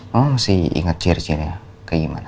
mama masih inget ciri cirinya kegimana